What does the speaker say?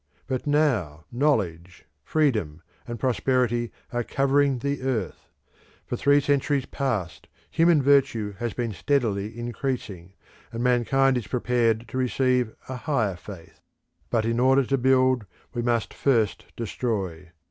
But now knowledge, freedom, and prosperity are covering the earth; for three centuries past, human virtue has been steadily increasing, and mankind is prepared to receive a higher faith. But in order to build we must first destroy.